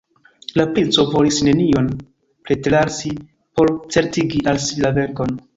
La princo volis nenion preterlasi por certigi al si la venkon.